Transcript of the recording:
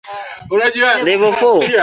kwenye uongozi alijifanya ati yeye anaunga